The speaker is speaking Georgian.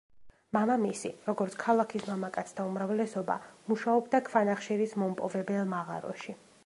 მამამისი, როგორც ქალაქის მამაკაცთა უმრავლესობა, მუშაობდა ქვანახშირის მომპოვებელ მაღაროში.